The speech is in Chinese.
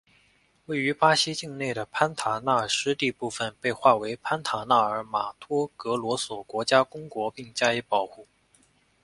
位于巴西境内的潘塔纳尔湿地部份被划为潘塔纳尔马托格罗索国家公国并加以保护。